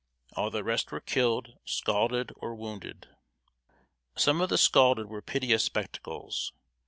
All the rest were killed, scalded, or wounded. Some of the scalded were piteous spectacles.